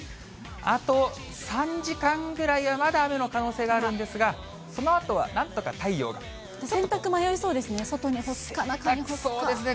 あと、３時間ぐらいはまだ雨の可能性があるんですが、そのあとはなんと洗濯迷いそうですね、外に干そうですね。